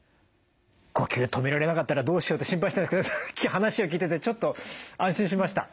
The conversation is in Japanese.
呼吸止められなかったらどうしようって心配してたんですけどさっき話を聞いててちょっと安心しました。